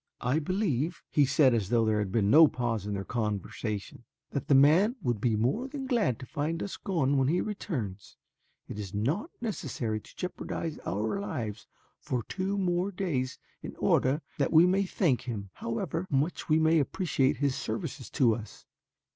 "I believe," he said as though there had been no pause in their conversation, "that the man would be more than glad to find us gone when he returns. It is not necessary to jeopardize our lives for two more days in order that we may thank him, however much we may appreciate his services to us.